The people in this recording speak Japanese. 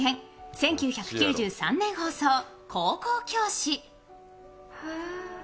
１９９３年放送「高校教師」。